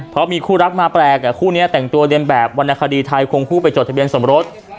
เพราะมีคู่รักมาแปลกคู่นี้แต่งตัวเรียนแบบวรรณคดีไทยควงคู่ไปจดทะเบียนสมรส